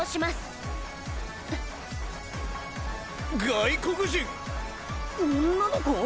外国人⁉女の子⁉